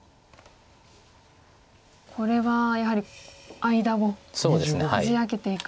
これはやはり間をこじ開けていくぞと。